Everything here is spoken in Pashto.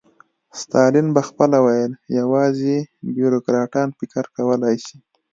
ستالین به خپله ویل یوازې بیروکراټان فکر کولای شي.